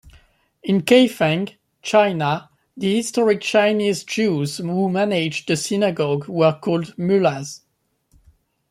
In Kaifeng, China, the historic Chinese Jews who managed the synagogue were called "mullahs".